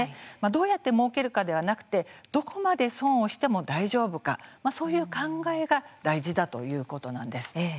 どうやってもうけるかではなくてどこまで損をしても大丈夫かそういう考えが大事だということなんです。